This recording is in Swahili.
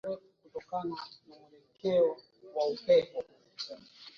uingiliaji mkubwa zaidi wa kigeni nchini Kongo katika kipindi cha muongo mmoja